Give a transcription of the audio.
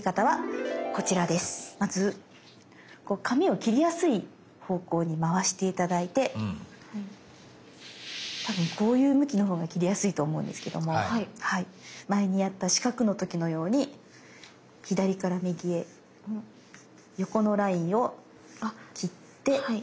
まず紙を切りやすい方向に回して頂いてたぶんこういう向きのほうが切りやすいと思うんですけども前にやった四角の時のように左から右へ横のラインを切って。